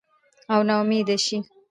او نا امیده شي